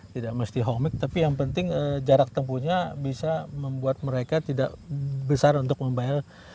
tidak mesti homic tapi yang penting jarak tempuhnya bisa membuat mereka tidak besar untuk membayar